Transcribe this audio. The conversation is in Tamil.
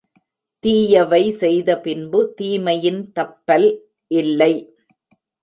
தீயவை செய்த பின்பு தீமையின் தப்பல் இல்லை.